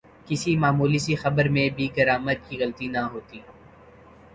کسی معمولی سی خبر میں بھی گرائمر کی غلطی نہ ہوتی۔